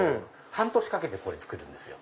半年かけてこれ作るんですよ。